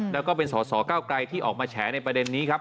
แล้วก็เป็นสอสอเก้าไกลที่ออกมาแฉในประเด็นนี้ครับ